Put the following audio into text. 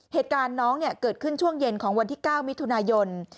เหตุการณ์น้องเกิดขึ้นช่วงเย็นของวันที่๙มิถุนายน